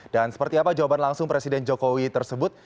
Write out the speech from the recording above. dan seperti apa jawaban langsung presiden jokowi tersebut